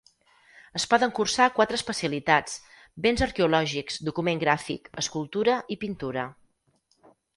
Es poden cursar quatre especialitats: béns arqueològics, document gràfic, escultura i pintura.